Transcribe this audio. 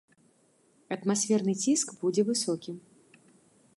Атмасферны ціск будзе высокім.